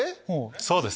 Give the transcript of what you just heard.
そうです。